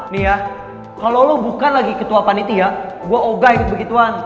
nih ya kalo lo bukan lagi ketua panitia gua ogah yg begituan